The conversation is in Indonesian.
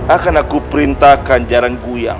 akan aku perintahkan jarang guya